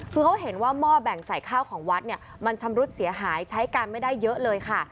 คือเขาเห็นว่าหม้อแบ่งใส่ข้าวของวัดเนี่ยมันชำรุดเสียหายใช้การไม่ได้เยอะเลยค่ะ